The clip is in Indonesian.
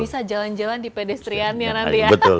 bisa jalan jalan di pedestriannya nanti ya